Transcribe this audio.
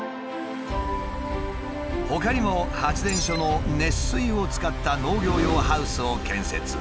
ほかにも発電所の熱水を使った農業用ハウスを建設。